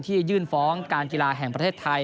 ยื่นฟ้องการกีฬาแห่งประเทศไทย